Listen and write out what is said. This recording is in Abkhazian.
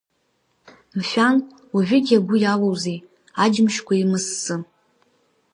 Мшәан, уажәыгьы агәы иалоузеи, аџьымшьқәа еимассы?!